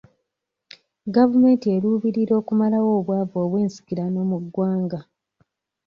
Gavumenti eruubirira okumalawo obwavu obwensikirano mu ggwanga.